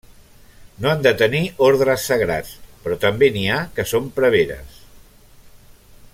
No han de tenir ordres sagrats, però també n'hi ha que són preveres.